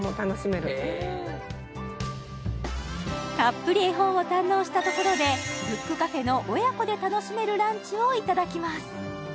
たっぷり絵本を堪能したところでブックカフェの親子で楽しめるランチをいただきます